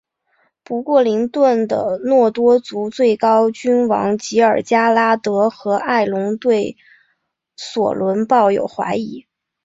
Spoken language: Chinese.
不过林顿的诺多族最高君王吉尔加拉德和爱隆对索伦抱有怀疑。